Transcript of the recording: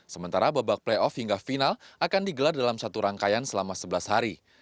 sementara babak playoff hingga final akan digelar dalam satu rangkaian selama sebelas hari